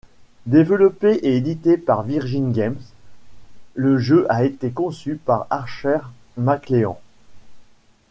Développé et édité par Virgin Games, le jeu a été conçu par Archer MacLean.